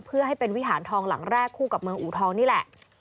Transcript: เพื่อให้เป็นวิหารทองหลังแรกคู่กับเมืองอูทองนี่แหละ